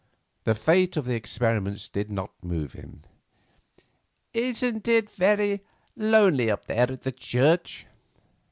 The fate of the experiments did not move him. "Isn't it very lonely up there in that old church?"